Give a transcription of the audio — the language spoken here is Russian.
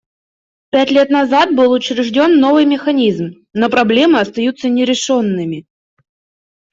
Пять лет назад был учрежден новый механизм, но проблемы остаются нерешенными.